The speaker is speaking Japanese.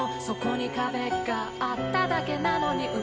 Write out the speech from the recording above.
「そこに壁があっただけなのに」